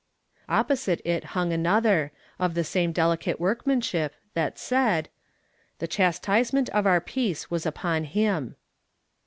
Opposite it hung another, of the same delicate workmanship, that said :— "THE CHASTISEMENT OE^ OUR PEACE AVAS UPON HIM."